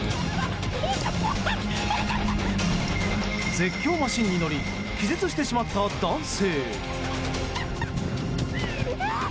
絶叫マシンに乗り気絶してしまった男性。